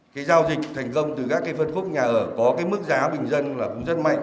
cái giao dịch thành công từ các cái phân khúc nhà ở có cái mức giá bình dân là cũng rất mạnh